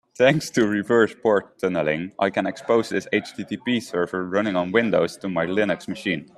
Thanks to reverse port tunneling, I can expose this HTTP server running on Windows to my Linux machine.